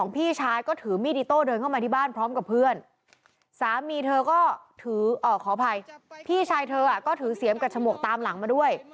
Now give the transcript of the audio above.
พี่ชายเธอก็ถืออ่อขออภัยพี่ชายเธอก็ถือเสียงกับชมวกตามหลังมาด้วย